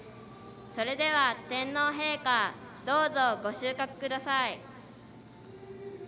それでは、天皇陛下どうぞ御収穫ください。